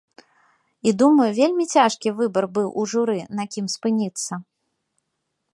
І думаю, вельмі цяжкі выбар быў у журы, на кім спыніцца.